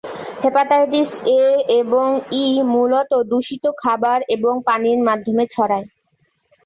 Hepatitis A এবং E মূলত দূষিত খাবার এবং পানির মাধ্যমে ছড়ায়।